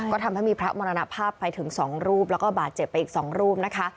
ก็ทำให้มีพระมรณภาพไปถึง๒รูปแล้วก็บาดเจ็บไปอีก๒รูปนะคะ